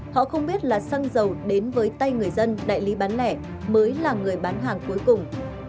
họ không biết là xăng dầu đến với tay người dân đại lý bán lẻ mới là người bán hàng cuối cùng